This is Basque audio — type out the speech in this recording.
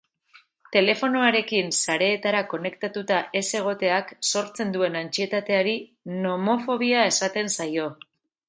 Telefonoarekin sareetara konektatuta ez egoteak sortzen duen antsietateari nomofobia esaten zaio.